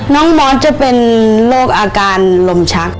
น้องบอสจะเป็นโรคอาการลมชัก